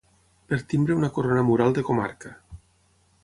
Per timbre una corona mural de comarca.